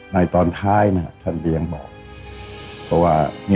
ในตอนท้ายท่านเปลี่ยนมาว่า